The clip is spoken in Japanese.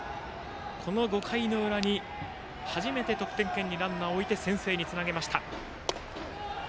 この５回の裏に初めて得点圏にランナーを置いて先制につなげました。